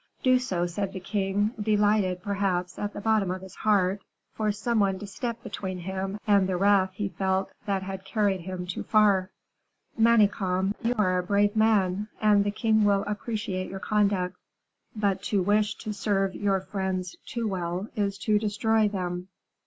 "Do so," said the king, delighted, perhaps, at the bottom of his heart, for some one to step between him and the wrath he felt he had carried him too far. "Manicamp, you are a brave man, and the king will appreciate your conduct; but to wish to serve your friends too well, is to destroy them.